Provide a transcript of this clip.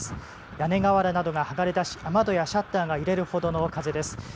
屋根瓦などが剥がれだし雨戸やシャッターが揺れるほどの風です。